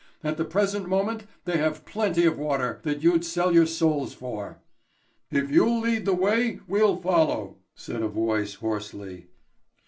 At the present moment they have plenty of the water that you'd sell your souls for." "If you'll lead the way, we'll follow," said a voice hoarsely.